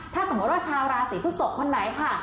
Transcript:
ถ้าสมมุติว่าชาวราศีพฤกษกคนไหนค่ะ